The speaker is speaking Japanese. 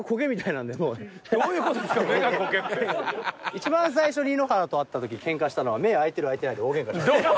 一番最初に井ノ原と会った時けんかしたのは目開いてる開いてないで大げんかした。